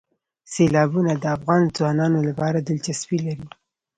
سیلابونه د افغان ځوانانو لپاره دلچسپي لري.